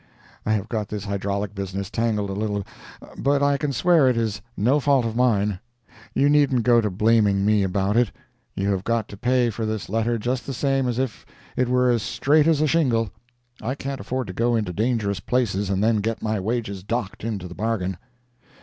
I have got this hydraulic business tangled a little, but I can swear it is no fault of mine. You needn't go to blaming me about it. You have got to pay for this letter just the same as if it were as straight as a shingle. I can't afford to go into dangerous places and then get my wages docked into the bargain.